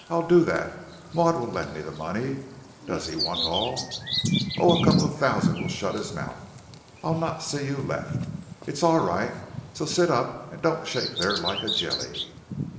"I'll do that. Maud will lend me the money. Does he want all?" "Oh, a couple of thousand will shut his mouth. I'll not see you left. It's all right, so sit up and don't shake there like a jelly."